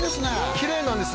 きれいなんです